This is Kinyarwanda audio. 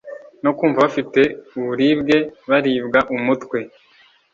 no kumva bafite uburibwe, baribwa umutwe,